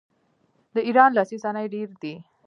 د ایران لاسي صنایع ډیر دي.